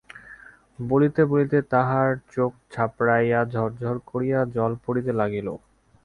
বলিতে বলিতে তাহার চোখ ছাপাইয়া ঝর ঝর করিয়া জল পড়িতে লাগিল।